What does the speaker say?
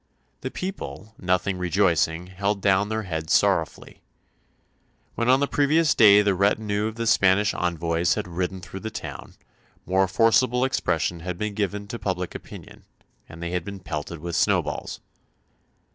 "The people, nothing rejoicing, held down their heads sorrowfully." When on the previous day the retinue of the Spanish envoys had ridden through the town, more forcible expression had been given to public opinion, and they had been pelted with snowballs.